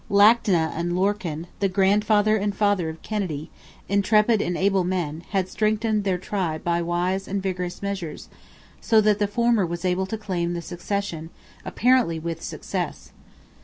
Lactna and Lorcan, the grandfather and father of Kennedy, intrepid and able men, had strengthened their tribe by wise and vigorous measures, so that the former was able to claim the succession, apparently with success.